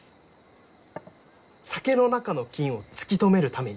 酒の中の菌を突き止めるために。